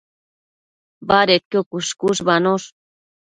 Badedquio cuësh-cuëshbanosh